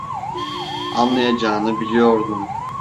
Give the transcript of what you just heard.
Anlayacağını biliyordum.